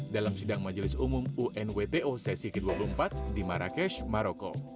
dalam sidang majelis umum unwto sesi ke dua puluh empat di marrakesh maroko